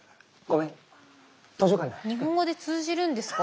日本語で通じるんですか？